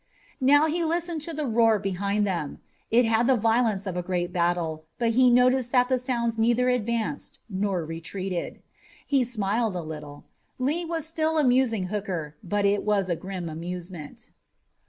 Now he listened to the roar behind them. It had the violence of a great battle, but he noticed that the sounds neither advanced nor retreated. He smiled a little. Lee was still amusing Hooker, but it was a grim amusement.